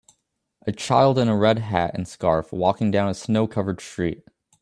A child in a red hat and scarf walking down a snow covered street